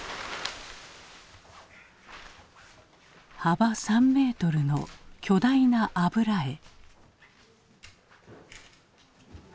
幅３メートルの巨大な油絵。